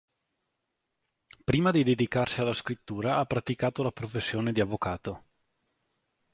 Prima di dedicarsi alla scrittura ha praticato la professione di avvocato.